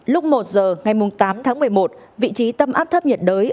lúc một giờ ngày tám tháng một mươi một vị trí tâm áp thấp nhiệt đới